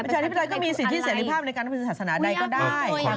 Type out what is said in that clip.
ประชาธิปไตยก็มีสิทธิเสร็จภาพในการทำศาสนาใดก็ได้